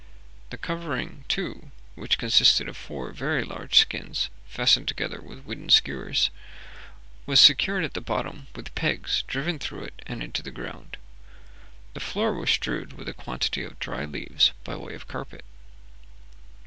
The covering, too, which consisted of four very large skins fastened together with wooden skewers, was secured at the bottom with pegs driven through it and into the ground. The floor was strewed with a quantity of dry leaves by way of carpet.